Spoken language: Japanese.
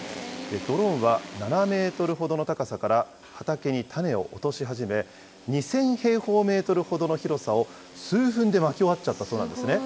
ドローンは７メートルほどの高さから畑に種を落とし始め、２０００平方メートルほどの広さを数分でまき終わっちゃったそうなんですね。